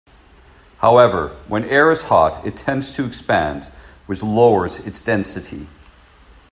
However, when air is hot, it tends to expand, which lowers its density.